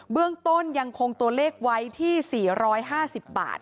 เบื้องต้นยังคงตัวเลขไว้ที่๔๕๐บาท